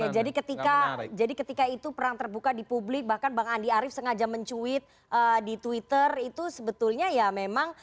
oke jadi ketika itu perang terbuka di publik bahkan bang andi arief sengaja mencuit di twitter itu sebetulnya ya memang